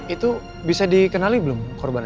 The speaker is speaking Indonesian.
itu bisa dikenali belum korban